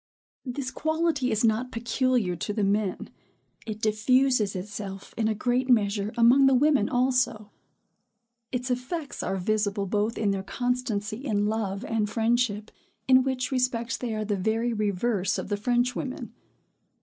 This quality is not peculiar to the men; it diffuses itself, in a great measure, among the women also. Its effects are visible both in their constancy in love and friendship, in which respects they are the very reverse of the French women.